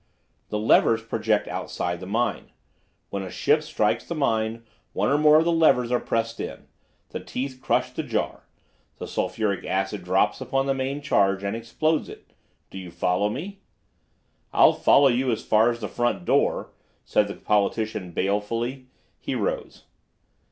The levers project outside the mine. When a ship strikes the mine, one or more of the levers are pressed in. The teeth crush the jar. The sulphuric acid drops upon the main charge and explodes it. Do you follow me." "I'll follow you as far as the front door," said the politician balefully. He rose.